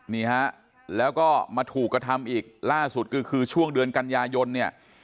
นี่ฮะแล้วก็มาถูกกระทำอีกล่าสุดก็คือช่วงเดือนกันยายนเนี่ย